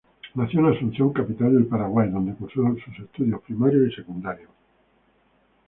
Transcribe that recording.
Nació en Asunción, capital del Paraguay, donde cursó sus estudios primarios y secundarios.